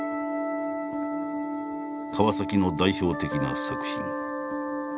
川の代表的な作品。